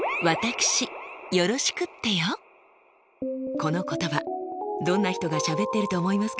この言葉どんな人がしゃべっていると思いますか？